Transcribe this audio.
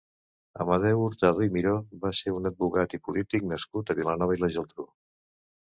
Amadeu Hurtado i Miró va ser un advocat i polític nascut a Vilanova i la Geltrú.